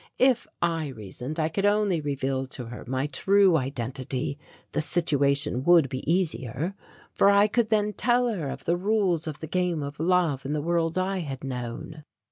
If, I reasoned, I could only reveal to her my true identity the situation would be easier, for I could then tell her of the rules of the game of love in the world I had known.